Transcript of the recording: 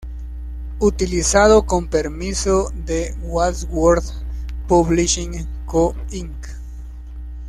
Utilizado con permiso de Wadsworth Publishing Co., Inc.